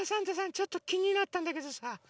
ちょっときになったんだけどさ